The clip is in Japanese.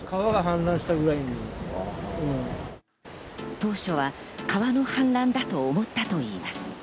当初は川の氾濫だと思ったといいます。